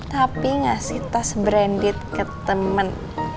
tapi ngasih tas branded ke temen